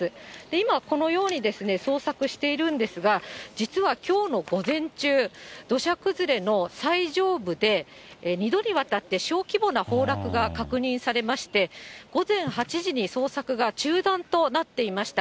今、このように捜索しているんですが、実はきょうの午前中、土砂崩れの最上部で、２度にわたって、小規模な崩落が確認されまして、午前８時に捜索が中断となっていました。